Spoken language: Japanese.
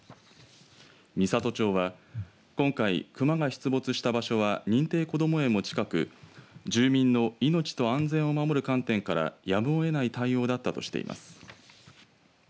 美郷町は今回熊が出没した場所は認定こども園も近く住民の命と安全を守る観点からやむを得ない対応だったとしています。